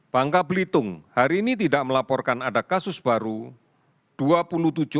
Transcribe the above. bangka belitung hari ini tidak melaporkan ada kasus baru dua puluh tujuh orang